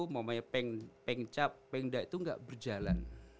mau namanya pengcap pengda itu gak berjalan